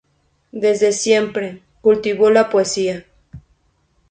Desde siempre, cultivó la poesía.